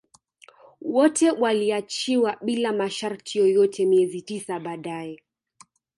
Wote waliachiwa bila masharti yoyote miezi tisa baadae